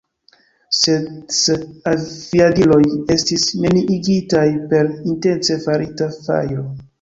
Ses aviadiloj estis neniigitaj per intence farita fajro.